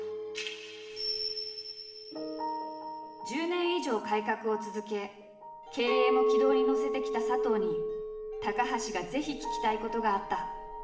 １０年以上改革を続け経営も軌道に乗せてきた佐藤に高橋がぜひ聞きたいことがあった。